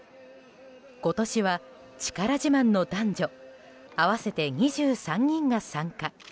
今年は力自慢の男女合わせて２３人が参加。